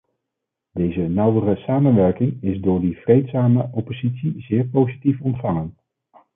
Deze nauwere samenwerking is door die vreedzame oppositie zeer positief ontvangen.